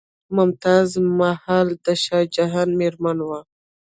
ممتاز محل د شاه جهان میرمن وه.